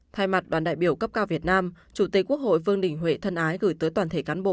thay mặt đoàn đại biểu cấp cao việt nam chủ tịch quốc hội vương đình huệ thân ái gửi tới toàn thể cán bộ